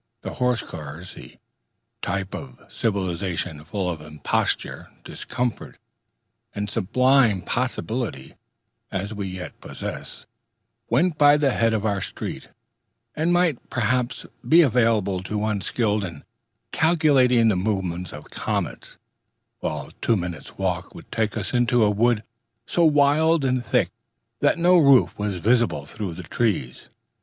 The horse cars, the type of such civilization full of imposture, discomfort, and sublime possibility as we yet possess, went by the head of our street, and might, perhaps, be available to one skilled in calculating the movements of comets; while two minutes' walk would take us into a wood so wild and thick that no roof was visible through the trees.